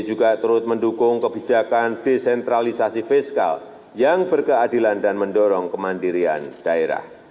juga terus mendukung kebijakan desentralisasi fiskal yang berkeadilan dan mendorong kemandirian daerah